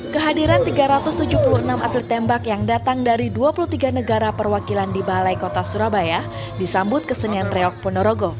kehadiran tiga ratus tujuh puluh enam atlet tembak yang datang dari dua puluh tiga negara perwakilan di balai kota surabaya disambut kesenian reok ponorogo